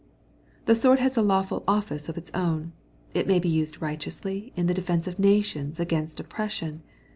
'' The swoi d has a lawful office of its own. It may be used righteously in the defence of nations against oppres sion.